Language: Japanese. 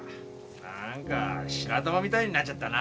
何か白玉みたいになっちゃったな。